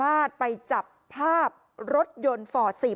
กลุ่มตัวเชียงใหม่